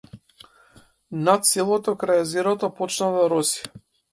Над селото крај езерото почна да роси.